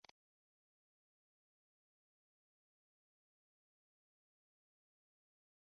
En Hispanio oni manĝas pli poste ol ekzemple en Germanio.